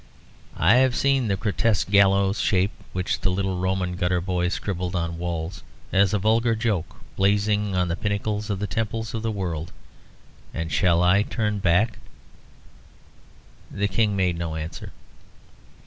I have seen the grotesque gallows shape, which the little Roman gutter boys scribbled on walls as a vulgar joke, blazing on the pinnacles of the temples of the world. And shall I turn back?" The King made no answer.